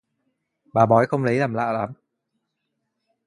Bà bói không lấy làm lạ lắm